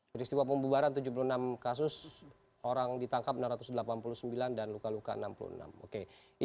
peristiwa pembubaran tujuh puluh enam kasus orang ditangkap enam ratus delapan puluh sembilan dan luka luka enam puluh enam